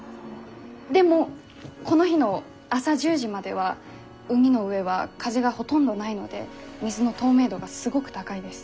でもこの日の朝１０時までは海の上は風がほとんどないので水の透明度がすごく高いです。